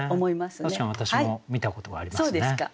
確かに私も見たことがありますね。